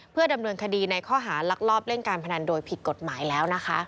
เพื่อดำเนินคดีในข้อหาลักลอบเล่นการพนันโดยผิดกฎหมายแล้วนะคะ